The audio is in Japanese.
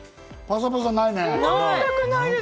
パサパサしないね。